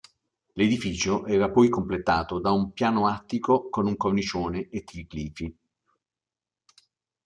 L'edificio era poi completato da un piano attico con un cornicione e triglifi.